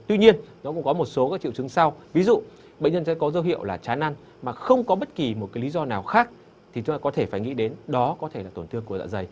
tuy nhiên nó cũng có một số triệu chứng sau ví dụ bệnh nhân sẽ có dấu hiệu là chán ăn mà không có bất kỳ một lý do nào khác thì chúng ta có thể phải nghĩ đến đó có thể là tổn thương